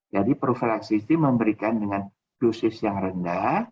jadi profilaksis itu diberikan dengan dosis yang rendah